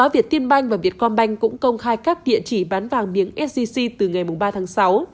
và các địa chỉ bán vàng miếng sgc từ ngày ba tháng sáu